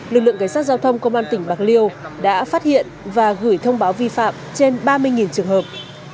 lực lượng cảnh sát giao thông công an tỉnh bạc liêu đã phát hiện và gửi thông báo vi phạm trên ba mươi trường hợp